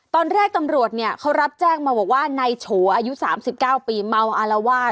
ตอนแรกตำรวจเนี่ยเขารับแจ้งมาบอกว่านายโฉอายุ๓๙ปีเมาอารวาส